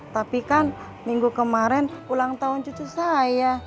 tapi kan minggu kemarin ulang tahun cucu saya